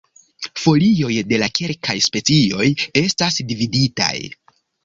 Folioj de kelkaj specioj estas dividitaj.